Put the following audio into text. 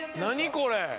これ」